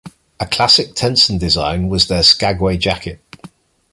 A classic Tenson design was their Skagway Jacket.